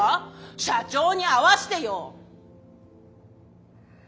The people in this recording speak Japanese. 社長に会わせてよ！